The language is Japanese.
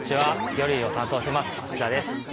魚類を担当してます蘆田です。